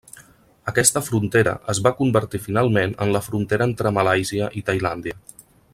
Aquesta frontera es va convertir finalment en la frontera entre Malàisia i Tailàndia.